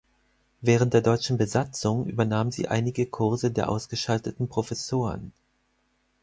Während der deutschen Besatzung übernahm sie einige Kurse der ausgeschalteten Professoren.